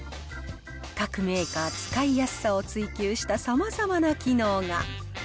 各メーカー使いやすさを追求したさまざまな機能が。